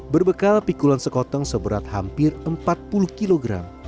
berbekal pikulan sekoteng seberat hampir empat puluh kilogram